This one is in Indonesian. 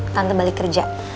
tante balik kerja